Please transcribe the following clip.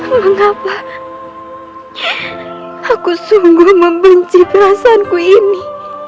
mengapa aku sungguh membenci perasaanku ini